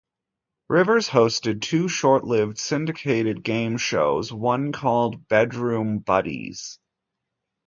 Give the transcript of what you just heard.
Rivers hosted two short-lived syndicated game shows, one called "Bedroom Buddies".